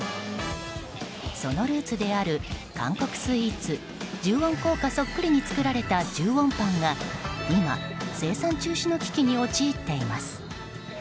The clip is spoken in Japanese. そのルーツである韓国スイーツ１０ウォン硬貨そっくりに作られた１０ウォンパンが今、生産中止の危機に陥っています。